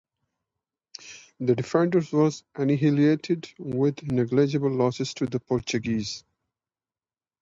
The defenders were annihilated, with neglegible losses to the Portuguese.